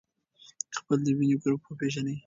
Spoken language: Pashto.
خپل د وینې ګروپ وپېژنئ.